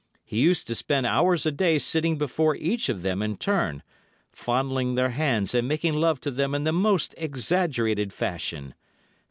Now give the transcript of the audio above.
He used to spend hours a day sitting before each of them in turn, fondling their hands and making love to them in the most exaggerated fashion.